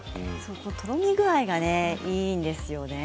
とろみ具合がいいんですよね。